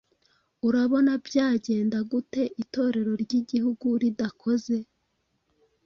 Urabona byagenda gute Itorero ry’ Igihugu ridakoze